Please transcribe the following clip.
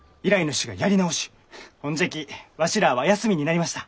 ほんじゃきわしらあは休みになりました。